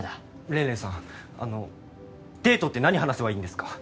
れんれんさんあのデートって何話せばいいんですか？